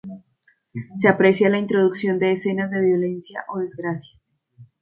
Se aprecia la introducción de escenas de violencia o desgracia.